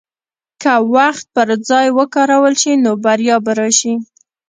که وخت پر ځای وکارول شي، نو بریا به راشي.